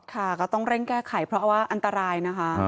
ค่ะก็ต้องเร่งแก้ไขเพราะว่าอันตรายนะคะ